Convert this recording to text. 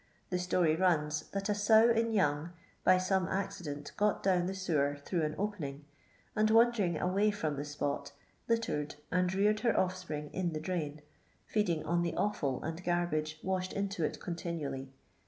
The story runs, that a sow in young, by some accident got down the sewer through an opening, and, wandering away from the spot, littered and reared her offspring in the drain, feeding on the offid and garbage washed into it continually.